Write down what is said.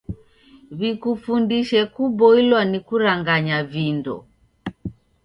W'ikufundishe kuboilwa ni kuranganya vindo.